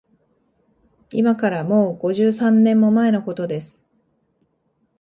いまから、もう五十三年も前のことです